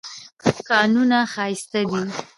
کانونه ښایسته دي.